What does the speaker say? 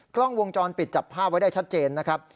กล้องวงจรปิดจับภาพไว้ได้ชัดเจนนะครับ